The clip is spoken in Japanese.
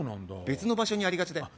別の場所にありがちだよ